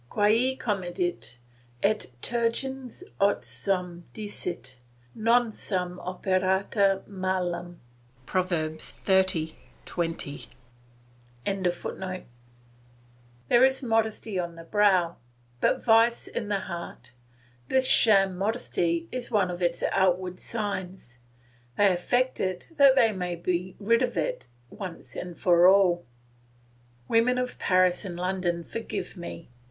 "Quae comedit, et tergens os suum dicit; non sum operata malum." Prov. xxx. 20.] There is modesty on the brow, but vice in the heart; this sham modesty is one of its outward signs; they affect it that they may be rid of it once for all. Women of Paris and London, forgive me!